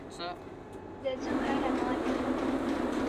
De zû here malê.